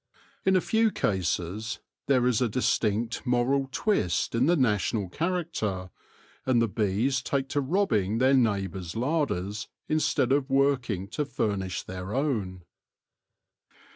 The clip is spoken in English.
In a few cases there is a distinct moral twist in the national character, and the bees take to robbing their neighbours' larders instead of working to furnish their own.